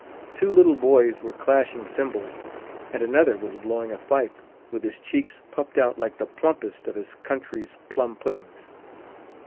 Two little boys were clashing cymbals, and another was blowing a fife, with his cheeks puffed out like the plumpest of his country's plum puddings.